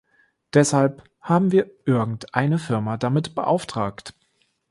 Deshalb haben wir irgendeine Firma damit beauftragt.